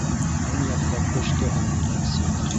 Уң яҡта почта һәм милиция.